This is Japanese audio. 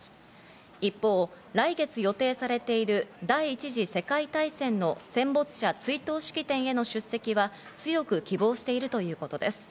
一方、来月予定されている第１次世界大戦の戦没者追悼式典への出席は強く希望しているということです。